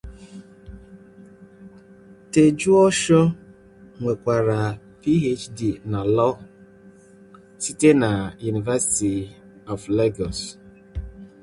Tejuosho nwekwara Ph.D. na law site na University of Lagos.